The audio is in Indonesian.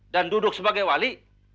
dan duduk sebagai wali